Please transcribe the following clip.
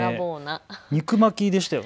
肉巻きでしたよね。